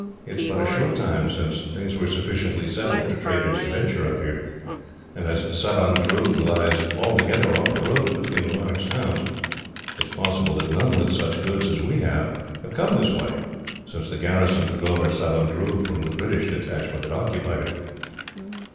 "It is but a short time since things were sufficiently settled for traders to venture up here, and as Savandroog lies altogether off the roads between large towns, it is possible that none with such goods as we have have come this way, since the garrison took over Savandroog from the British detachment that occupied it."